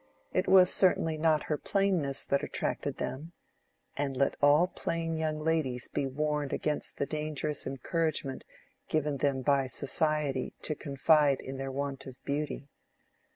It was certainly not her plainness that attracted them (and let all plain young ladies be warned against the dangerous encouragement given them by Society to confide in their want of beauty).